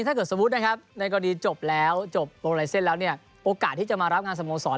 ถ้าเกิดสมมุติในกรณีจบแล้วโอกาสที่จะมารับงานสโมสร